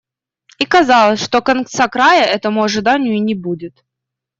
И казалось, что конца-края этому ожиданию не будет.